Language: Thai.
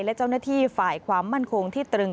และเจ้าหน้าที่ฝ่ายความมั่นคงที่ตรึง